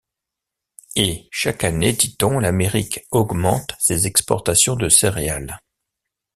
Et, chaque année, dit-on, l’Amérique augmente ses exportations de céréales.